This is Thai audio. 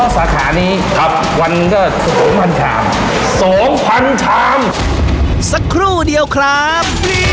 สักครู่เดียวครับ